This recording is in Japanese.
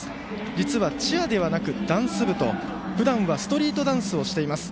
実は、チアではなくダンス部とふだんはストリートダンスをしています。